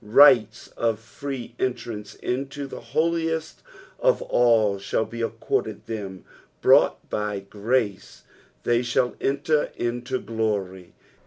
Rights of free entrance into the holiest of all shall be accorded them. Brought by grace, they shall enler into glory.